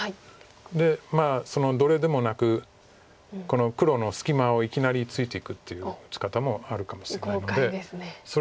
でまあそのどれでもなくこの黒の隙間をいきなりついていくっていう打ち方もあるかもしれないので。